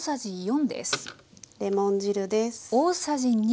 レモン汁です。